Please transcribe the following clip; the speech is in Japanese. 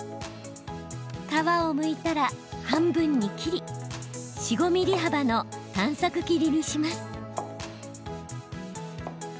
皮をむいたら半分に切り４、５ｍｍ幅の短冊切りにします。